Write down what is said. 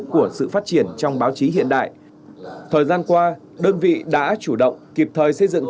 của sự phát triển trong báo chí hiện đại thời gian qua đơn vị đã chủ động kịp thời xây dựng